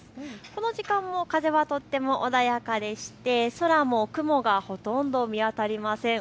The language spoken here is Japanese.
この時間も風はとっても穏やかでして、空も雲がほとんど見当たりません。